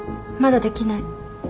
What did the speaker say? まだできない。